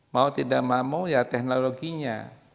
mau tidak mau ya teknologinya